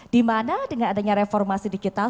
dimana dengan adanya reformasi digital